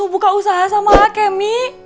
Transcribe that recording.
masuk buka usaha sama kemi